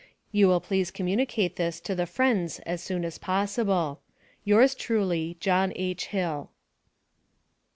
You will please communicate this to the friends as soon as possible. Yours truly, JOHN H. HILL.